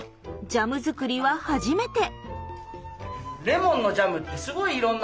ジャムづくりは初めて。